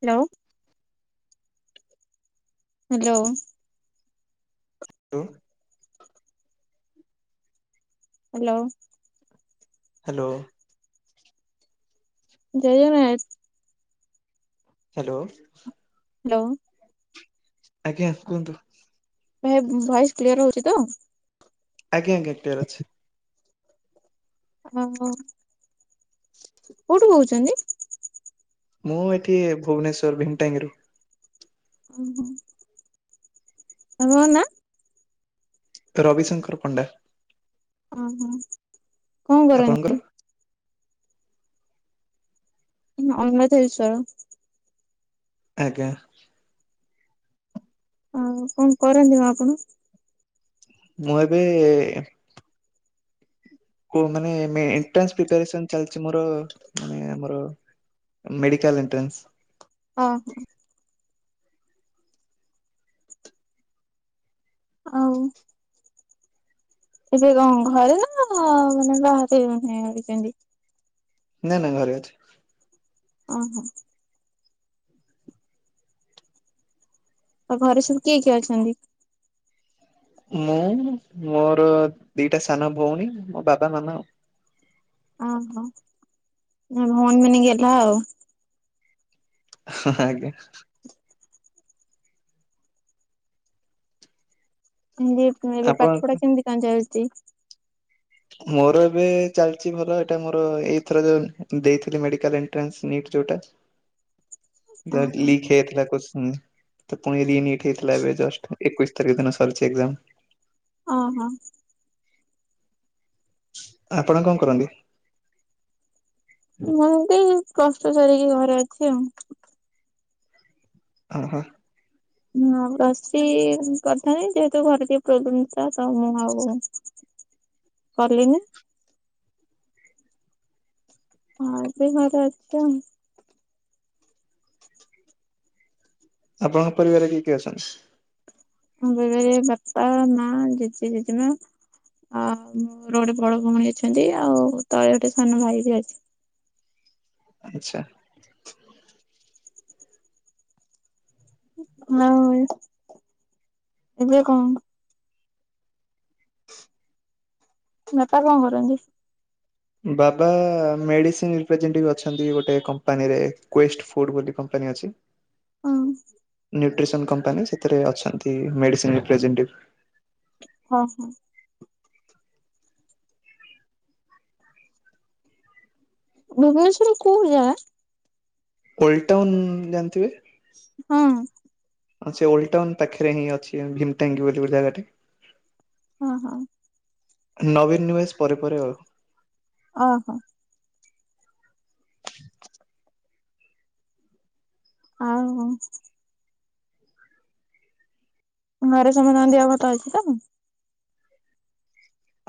Hello. Hello. ତୁଁ। Hello. Hello. ଜଏ Jagannath. Hello. Hello. ଆଜ୍ଞା କୁହନ୍ତୁ। ଭାଇ ଭଏସ କ୍ଲିୟର ହଉଛି ତ। ଆଜ୍ଞା ଆଜ୍ଞା କ୍ଳିୟର ଅଛି। ଓହୋ କଉଠୁ କଉଛନ୍ତି? ମୁଁ ଏଠି ଭୁବନେଶ୍ଵର ଭେଣ୍ଟାଙ୍ଗିରୁ। ଓ ହୋ। ତମ ନା ରବିଶଙ୍କର ପଣ୍ଡା। ଓହୋ କଣ ଆପଣଙ୍କର? କରନ୍ତି? ଅମଧେଶ୍ଵର। ଆଜ୍ଞା। ଆଉ କଣ କରନ୍ତି ମ ଆପଣ? ମୁଁ ଏବେ ଅ ମାନେ ଏଣ୍ଟ୍ରାନ୍ସ ପ୍ରିପାରେସନ୍ ଚାଲିଛି ମୋର ମାନେ ମର ମେଡିକାଲ ଏଣ୍ଟ୍ରାନ୍ସ। ହଁ ଆଉ ଏବେ କଣ ଘରେ ନା ମାନେ ବାହାରେ ରହିଛନ୍ତି? ନାଇଁ ନାଇଁ ଘରେ ଅଛି। ଓହୋ। ଆଉ ଘରେ ସବୁ କିଏ କିଏ ଅଛନ୍ତି? ମୁଁ ମୋର ଦିଟା ସାନ ଭଉଣୀ ମୋ ବାବା ମାମା ଆଉ। ଓହୋ ଭଉଣୀ ମାନେ ଗେହ୍ଲା ଆଉ। ହଁ ହଁ ଆଜ୍ଞା। କେମିତି ଏବେ ଆପଣ ପାଠ ପଢା କେମିତି କଣ ଚାଲିଛି? ମୋର ଏବେ ଚାଲିଛି ଭଲ ଏଟା ମୋର ଏଇଥର ଯୋଉ ଦେଇଥିଲି ମେଡିକାଲ ଏର୍ଣ୍ଟାନ୍ସ ନିଟ୍ ଯୋଉଟା। [inaudible] ଯ ଓହୋ ଲିକ୍ ହେଇଯାଇଥିଲା କଶ୍ଚିନ୍ ଯୁ ତ ପୁଣି ରିି ନିଟ ହେଇଥିଲା ଏବେ ଜଷ୍ଟ ଏକୋଇଶ ତାରିଖ ଦିନ ସରଛି ଏକ୍ଜାମ। ଓହୋ। ଆପଣ କଣ କରନ୍ତି? ମୁଁ ବି ପ୍ଲଷ୍ଟୁ ସାରିକି ଘରେ ଅଛି ଆଉ। ଓହୋ। ମୁଁ ପ୍ଲସ ଥ୍ରି କରିଥାନ୍ତି ଯେହେତୁ ଘରେ ଟିକେ ପ୍ରୋବ୍ଲେମ ଥିଲା ତ ମୁଁ ଆଉ କଲିନି ହଁ ଏବେ ଘରେ ଅଛି ଆଉ ଆପଣଙ୍କ ପରିବାରରେ କିଏ କିଏ ଅଛନ୍ତି? ଆମ ପରିବାରେ ବାପା ମା ଜେଜେ ଜେଜେମା ଆ ମୋର ଗୋଟେ ବଡ ଭଉଣୀ ଅଛନ୍ତି ଆଉ ତଳେ ଗୋଟେ ସାନ ଭାଇ ବି ଅଛି ଆଚ୍ଛା ହଉ ଏବେ କଣ ବାପା କଣ କରନ୍ତି? ବାବା ମେଡିସେନ୍ ରିପ୍ରେଜେଣ୍ଟିଭ୍ ଅଛନ୍ତି ଗୋଟେ କମ୍ପାନୀରେ କୁଏଷ୍ଟ ଫୁଡ୍ ବୋଲି କ ଆଜ୍ଞା ଅଛି। ହଁ ନିଉଟେସନ କମ୍ପାନୀ ସେଥି ରେ ଅଛନ୍ତି ମେଡ଼ିସିନି ପ୍ରେଜେଣ୍ଟ ଟିବି। ହଁ ହଁ। ଭୁବନେଶ୍ଵର କୋଉ ଜାଗା? ଓଲ୍ଡ ଟାଉନୁ ଜାଣିଥିବେ? ହଁ। ହଁ ସେ ଓ଼ଲ୍ଡ ଟାଉନୁ ପାଖରେ ହିଁ ଅଛି ଭୀମ ଟାଙ୍କ ବୋଲି ଜାଗା ଟେ। ହଁ ହଁ। ନବୀନି ନିବେଶ ପରେ ପରେ ଆଉ। ଅହଁ। ଆହଁ। ଘରେ ଶୁଣୁନାହାନ୍ତି ଆଉ କଥା ଅଛି ତ? [unintelligible]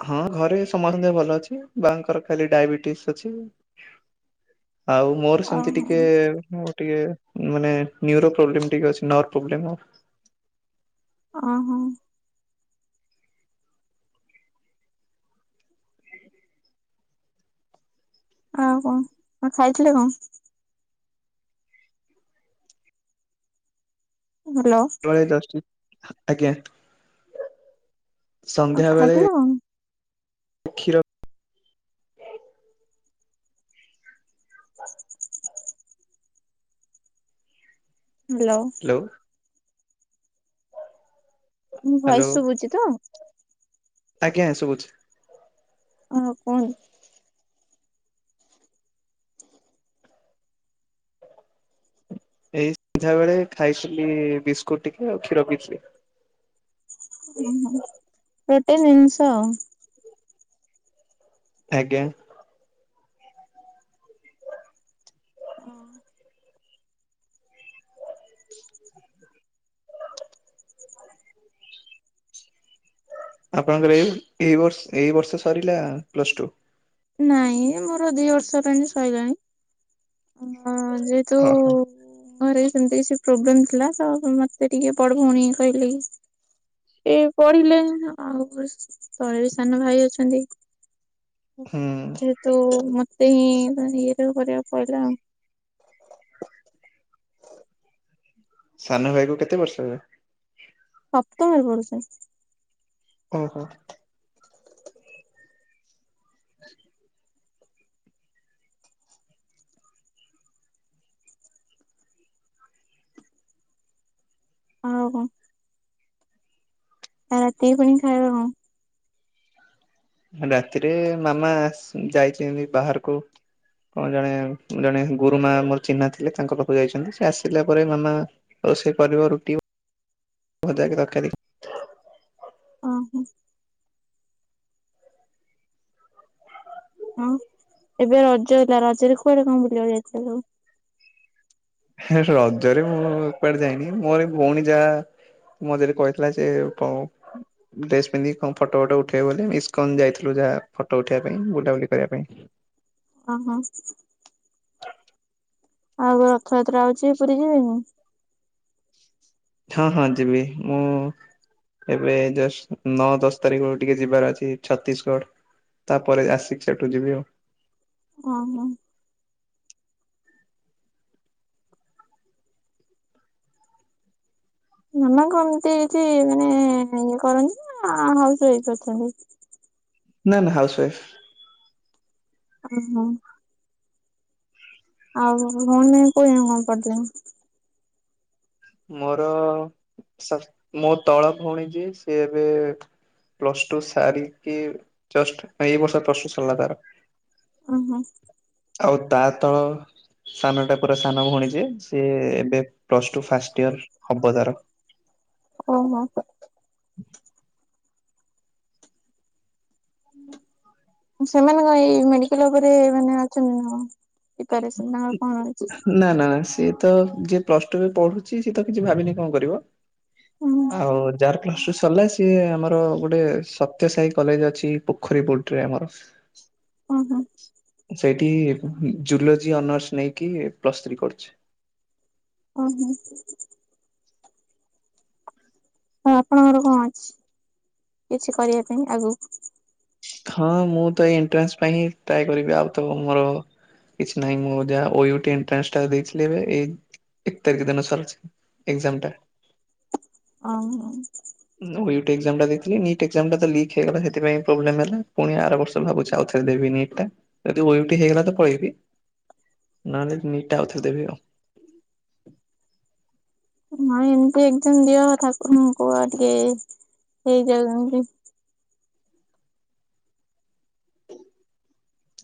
ହଁ ଘରେ ସମନ୍ତେ ଭଲ ଅଛି ବାଆଙ୍କର ଖାଲି ଡାଇବେଟିସ୍ ଅଛି। ଆଉ ମୋର ସେମିତି ଓହୋ ଟିକେ ମୋର ଟିକେ ମାନେ ନିଓରୋ ପ୍ରୋବ୍ଲେମ ଟିକେ ଅଛି ନର ପ୍ରୋବ୍ଲେମ- [unintelligible] ଆ ହଁ। ଆ ହଁ କଣ ଖାଇଥିଲେ କଣ? ହ୍ୟାଲୋ। [unintelligible] ଆଜ୍ଞା ଆଉ ସନ୍ଧ୍ୟାବେଳେ ଖାଇଥିଲେ କଣ? କ୍ଷୀର [unintelligible] ହ୍ୟାଲୋ। ହ୍ୟାଲୋ। ମୋ ହ୍ୟାଲୋ ଭଏସ ସୁବୁଚି ତ? ଆଜ୍ଞା ସବୁଚି। ଆଉ କଣ? ଏଇ ସନ୍ଧ୍ୟା ବେଳେ ଖାଇଥିଲି ବିସ୍କୁଟ ଟିକେ ଆଉ କ୍ଷୀର ପିଇଥିଲି। ଓହୋ ରେଟେ ଜିନିଷ ଆଉ। ଆଜ୍ଞା। ହଁ। [unintelligible] ଆପଣଙ୍କର ଏଇ ଏ ବର୍ଷ ଏଇ ବର୍ଷ ସରିଲା ପ୍ଲସ୍ ଟୁ। ନାଇଁ ମୋର ଦି ବର୍ଷ ପାଇଁ ସଇଲାଣି ଅଁ ଯେହେତୁ ଓହୋ ଘରେ ସେମିତି କିଛି ପ୍ରୋବ୍ଲେମ ଥିଲା ତ ମତେ ଟିକେ ବଡ଼ ଭଉଣୀ କହିଲେ। ଏ ପଢିଲେ ଆଉ ତଳେ ସାନ ଭାଇ ଅଛନ୍ତି। ହୁଁ ଯେହେତୁ ମତେ ହିଁ ଇଏଟ କରିବାକୁ ପଡିଲା। ସାନ ଭାଇ କୁ କେତେ ବର୍ଷ ଏବେ? ସପ୍ତମରେ ପଡୁଚି। ଅହଁ। [unintelligible] ହଉ କଣ? ଆଉ ରାତିକି ପୁଣି ଖାଇବା ଆଉ? ରାତିରେ ମାମା ଯାଇଚନ୍ତି ବାହାରକୁ କଣ ଜଣେ ଜଣେ ଗୁରୁ ମା ମୋର ଚିହ୍ନା ଥିଲେ ତାଙ୍କ ପାଖକୁ ଯାଇଛନ୍ତି ସେ ଆସିଲା ପରେ ମାମା ରୋଷେଇ କରିବ ରୁଟି ଭଜା କି ତରକରି। ଅ ହଁ। ହଁ ଏବେ ରଜ ହେଲା ରଜରେ କୁଆଡେ କଣ ବୁଲିବାକୁ ଯାଇଥିଲେ ସବୁ। ରଜରେ ମୁଁ କୁଆଡେ ଯାଇନି ମୋର ଭଉଣୀ ଯାହା ମୋ ଯେରି କହିଥିଲା ଯେ ପ ଡ୍ରେସ ପିନ୍ଧି କଣ ଫଟୋ ଫଟ ଉଠେଇବ ବୋଲେ ଇସ୍କନ ଯାଇଥିଲୁ ଯାହା ଫଟୋ ଉଠେଇବା ପାଇଁ ବୁଲାବୁଲି କରିବା ପାଇଁ। ଓହୋ। ଆଉ ଗୋ ରଥଯାତ୍ରା ଆଉଛି ପୁରୀ ଯିବେନି। ହଁ ହଁ ଯିବି ମୁଁ ଏବେ ଜଷ୍ଟ ନଅ ଦଶ ତାରିଖରୁ ଟିକେ ଯିବାର ଅଛି ଛତିଶଗଡ। ତାପରେ ଆସିକି ସେଠୁ ଯିବି ଆଉ। ହଁ ହଁ। ମାମା ଏମତି କିଛି ମାନେ ଇଏ କରନ୍ତି ନା ହାଉସ ୱାଇଫ ଅଛନ୍ତି? ନା ନା ହାଉସୱାଇଫ୍। ଓହୋ। ଆଉ ହଣ ନାାଇ କହ କଣ ପଡିଲ [inaudible] ମୋର ସ ମୋ ତଳ ଭଉଣୀ ଯେ ସିଏ ଏବେ ପ୍ଲସ ଟୁ ସାରିକି ଜଷ୍ଟ ଏଇ ବର୍ଷ ପ୍ଲସ ଟୁ ସାରିଲା ତାର। ଓହୋ। ଆଉ ତା ତଳ ସାନ ଟା ପୁରା ସାନ ଭଉଣୀ ଯିଏ ସିଏ ଏବେ ପ୍ଲସ ଟୁ ଫାଷ୍ଟ ଇୟର ହବ ତାର। ଓହୋ। ସେମାନଙ୍କ ଏଇ ମେଡିକାଲ ଉପରେ ମାନେ ଅଛନ୍ତି ନା। ପ୍ରିପାରେସନ ତାଙ୍କର କଣ ଅଛି? ନା ନା ସେ ତ ଯିଏ ପ୍ଲସ ଟୁରେ ପଢୁଛି ସିଏ ତ କିଛି ଭାବିନି କଣ କରିବ ହୁଁ ଆଉ ଯାର ପ୍ଲସ ଟୁ ସରିଲା ସିଏ ଆମର ଗୋଟେ ସତ୍ୟ ସାହି କଲେଜ ଅଛି ପୋଖରୀ ବୋଟରେ ଆମର ହଁ ହଁ। ସେଇଠି ଜୁଲୋଜି ଅନର୍ସ ନେଇକି ପ୍ଲସ୍ ଥ୍ରୀ କରୁଛି। ଓହୋ। ହଁ ଆପଣଙ୍କର କଣ ଅଛି କିଛି କରିବା ପାଇଁ ଆଗକୁ? ଥ ମୁଁ ତ ଏଇ ଏଣ୍ଟ୍ରାନ୍ସ ପାଇଁ ହିଁ ଟ୍ରାଏ କରିବି ଆଉ ତ ମୋର କିଛି ନାହିଁ ମୁଁ ଯାହା ଓ ଇଉ ଟି ଏଣ୍ଟରାନ୍ସ ଦେଇଥିଲି ଏବେ ଏଇ ଏକ ତାରିଖ ଦିନ ସରିଛି। ଏକଜାମ୍ ଟା। ଓହୋ। ମୁଁ ଇଉଟି ଏକଜାମଟା ଦେଇଥିଲି ନିଟ ଏକଜାମଟା ତ ଲିକ୍ ହେଇଗଲା ସେଥିପାଇଁ ପ୍ରୋବ୍ଲେମ୍ ହେଲା ପୁଣି ଆର ଭାବୁଛି ଆଉଥରେ ଦେବି ନିଟ ଟା ଯଦି ଓଉଟି ହେଇଗଲା ତ ପଳେଇବି। ନହେଲେ ନିଟ୍ ଟା ଆଉଥାରେ ଦେବି ଆଉ। ହଁ ଏମିତି ଏକଜାମ୍ ଦିଅ ଠାକୁରଙ୍କୁ କୁହ ଟିକେ ହେଇଯାଉ ଏମତି।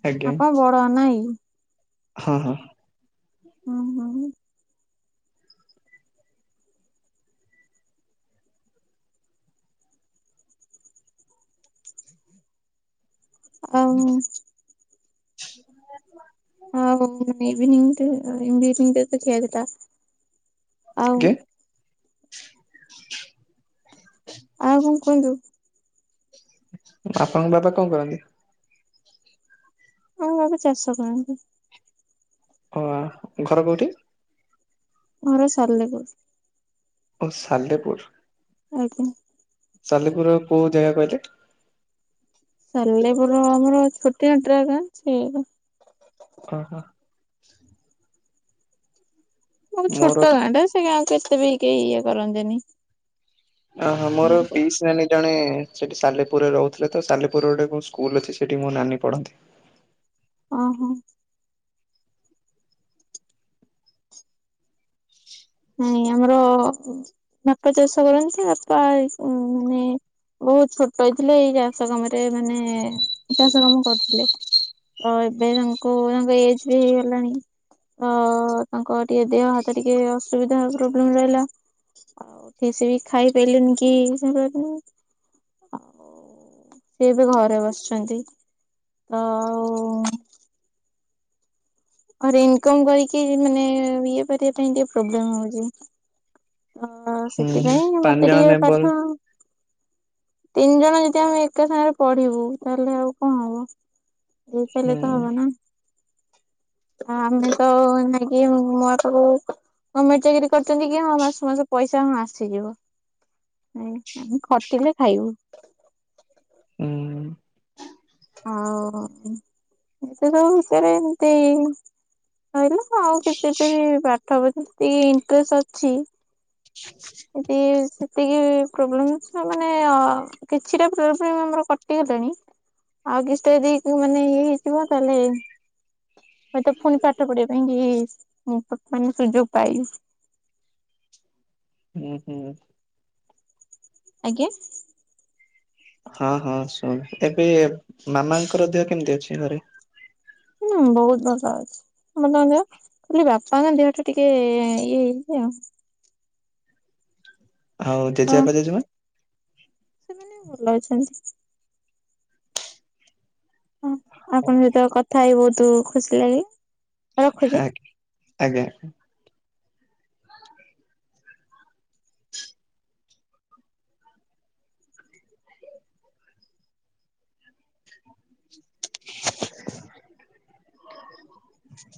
ଆଜ୍ଞା। ଆପଣ ବଡ ନାଇଁ? ହଁ ହଁ। ହଁ ହଁହୁଁ। ହଉ। [unintelligible] ହଉ ଇଭିନିଂଇନି ତ ଖିଆଥିଲା [inaudible] କି ଆଉ କଣ କୁହନ୍ତୁ। ଆପଣଙ୍କ ବାପା କଣ କରନ୍ତି? ଆମ ବାବା ଚାଷ କରନ୍ତି। ଅ ଆ ଘର କୋଉଠି? ଘର ସାଲେପୁର। ଓ ସାଲେପୁର। ଆଜ୍ଞା। ସାଲେପୁର କୋଉ ଜାଗା କହିଲେ? ସାଲେପୁର ଆମର ଛୋଟିଆ [unintelligible] ଓ ହୋ। ବୋହୁତ ମୋର ଛୋଟ ଗାଁ ଟା ସେ ଗାଁକୁ ଏତେ ବି କେହି ଇଏ କରନ୍ତିନି। ଓହୋ ମୋର ପିସ୍ ନାନୀ ଜଣେ ସେଠି ସାଲେପୁରରେ ରହୁଥିଲେ ତ ସାଲେପୁର ଗୋଟେ ସ୍କୁଲ ଅଛି ସେଠି ମୋ ନାନୀ ପଢନ୍ତି। ଓହୋ। [inaudible] ନାଇ ଆମର ବାପା ଚାଷ କରନ୍ତି। ବାପା ମାନେ ବୋହୁତ ଛୋଟ ହେଇଥିଲେ ଏଇ ଚାଷ କାମରେ ମାନେ ଚାଷ କାମ କରୁଥିଲେ। ତ ଏବେ ତାଙ୍କୁ ତାଙ୍କ ଏଜ ବି ହେଇଗଲାଣି। ତ ତାଙ୍କ ଟିକେ ଦେହ ହାତ ଟିକେ ଅସୁବିଧା ପ୍ରୋବ୍ଲେମ ରହିଲା ଆଉ ଠିକ ସେ ବି ଖାଇପାଇଲେନି କି ସେ [unintelligible] ସିଏ ବି ଘରେ ବସିଛନ୍ତି ତ ଆଉ ଘରେ ଇନକମ କରିକି ମାନେ ଇଏ କରିବା ପାଇଁ ଟିକେ ପ୍ରୋବ୍ଲେମ ହଉଛି। ତ ହୁଁ ସେଥିପାଇଁ ପାଞ୍ଚ ମତେ ଜଣ ଟିକେ ମେମ୍ବର ପାଠ ତିନି ଜଣ ଯଦି ଆମେ ଏକା ସାଙ୍ଗରେ ପଢିବୁ ତାହେଲେ ଆଉ କଣ ହବ। ଦେଇ ହୁଁ ପାଇଲେ ତ ହବ ନା। ଆମେ ତ ନାଇକି ମୋ ପାଖକୁ ଗମେଣ୍ଟ ଚାକିରି କରିୁଛନ୍ତି କି ହଁ ମାସ ମାସ କୁ ମାସ ପଇସା ହଁ ଆସିଯିବ ନାଇ ଆମେ ଖଟିଲେ ଖାଇବୁ। ହୁଁ। ହଉ ଏତେ ସବୁ ଭିତରେ ଏମିତି କହିଲ ଆଉ କିଛି ବି ବି ପାଠ [unintelligible] ଯେତିକି ଇଣ୍ଟରେଷ୍ଟ ଅଛି [inaudible] ଏତୀ ସେତିକି ପ୍ରୋବ୍ଲେମ ମାନେ ଆ କିଛିଟା ପ୍ରୋବଲେମ୍ ଆମର କଟିଗଲାଣି। ଆଉ କିଛିଟା ଯଦି ମାନେ ଇଏ ହେଇଯିବ ତାହେଲେ ହୁଏତ ପୁଣି ପାଠ ପଢିବା ପାଇଁ କି ମାନେ ସୁଯୋଗ ପାଇବି। ଉଁ ହୁଁ। ଆଜ୍ଞା। ହଁ ହଁ ଶୁଣୁଛି ଏବେ ମାମାଙ୍କର ଦେହ କେମିତି ଅଛି ଘରେ? ହୁଁ ବୋହୁତ ଭଲ ଅଛି। ସମତଙ୍କ ଦେହ ଖାଲି ବାପାଙ୍କ ଦେହ ଟା ଟିକେ ଇଏ ହେଇଛି ଆଉ। ଆଉ ହଁ ଜେଜେବାପା ଜେଜମା? ସେମାନେ ଭଲ ଅଛନ୍ତି। ହଁ ଆପଣଙ୍କ ସହିତ କଥା ହେଇ ବହୁତ ଖୁସି ଲାଗେ। ଆଜ୍ଞା ଆଜ୍ଞା। [inaudible] [inaudible]